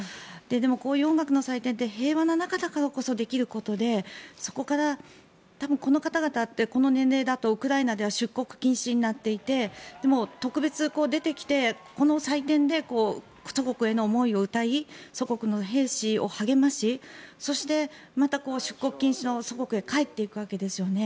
でも、こういう音楽の祭典って平和の中だからこそできることでそこから多分この方々ってこの年齢だとウクライナでは出国禁止になっていてでも、特別に出てきてこの祭典で祖国への思いを歌い祖国の兵士を励ましそして、また出国禁止の祖国へ帰っていくわけですよね。